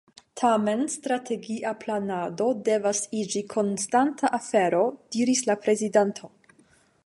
Tamen strategia planado devas iĝi konstanta afero, diris la prezidanto.